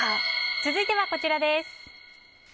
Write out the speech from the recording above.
続いてはこちらです。